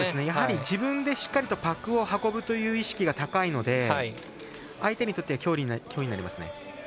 やはり、自分でしっかりとパックを運ぶという意識が高いので、相手にとっては脅威になりますね。